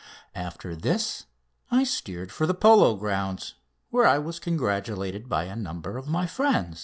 After this I steered for the polo grounds, where I was congratulated by numbers of my friends.